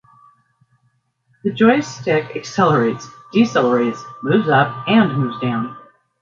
The joystick accelerates, decelerates, moves up, and moves down.